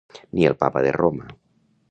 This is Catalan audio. Ni el papa de Roma.